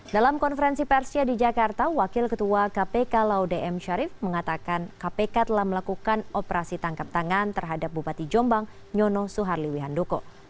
dalam konferensi persnya di jakarta wakil ketua kpk laude m syarif mengatakan kpk telah melakukan operasi tangkap tangan terhadap bupati jombang nyono suharli wihandoko